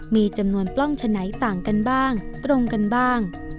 มีจำนวนปล้องฉะไหนต่างกันบ้างตรงกันบ้าง